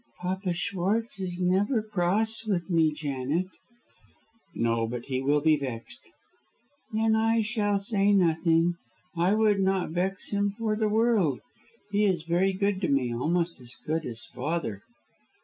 "Papa Schwartz is never cross with me, Janet." "No, but he will be vexed." "Then I shall say nothing. I would not vex him for the world. He is very good to me, almost as good as father."